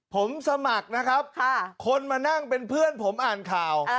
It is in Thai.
ผมสมัครนะครับคนมานั่งเป็นเพื่อนผมอ่านข่าว